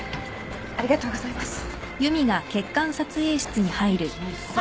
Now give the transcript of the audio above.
ありがとうございます。